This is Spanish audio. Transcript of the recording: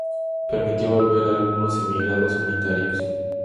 Permitió volver a algunos emigrados unitarios.